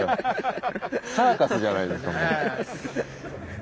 サーカスじゃないですかもう。